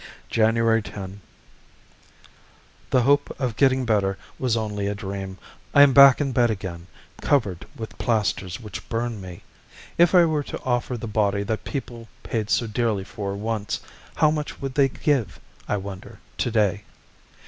January 10. The hope of getting better was only a dream. I am back in bed again, covered with plasters which burn me. If I were to offer the body that people paid so dear for once, how much would they give, I wonder, to day?